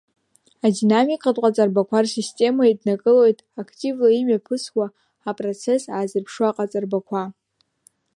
Адинамикатә ҟаҵарбақәа рсистема еиднакылоит активла имҩаԥысуа апроцесс аазырԥшуа аҟаҵарбақәа.